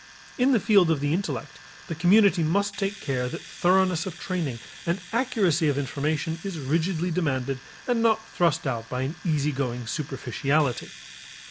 In the field of the intellect, the community must take care that thoroughness of training and accuracy of information is rigidly demanded and not thrust out by an easy going superficiality.